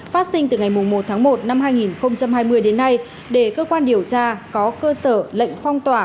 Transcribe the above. phát sinh từ ngày một tháng một năm hai nghìn hai mươi đến nay để cơ quan điều tra có cơ sở lệnh phong tỏa